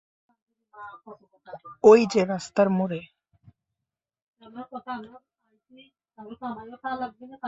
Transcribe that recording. ওই যে রাস্তার মোড়ে।